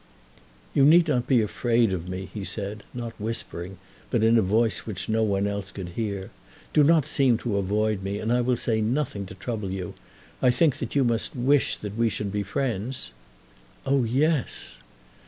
"You need not be afraid of me," he said, not whispering, but in a voice which no one else could hear. "Do not seem to avoid me, and I will say nothing to trouble you. I think that you must wish that we should be friends." "Oh, yes."